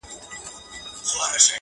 ما تاته د پرون د خوب تعبير پر مخ گنډلی.